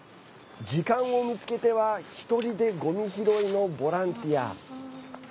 時間を見つけては１人でごみ拾いのボランティア。